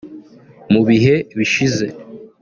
Mu bihe bishize